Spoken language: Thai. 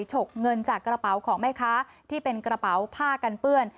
ฉกเงินจากกระเป๋าของแม่ค้าที่เป็นกระเป๋าผ้ากันเปื้อน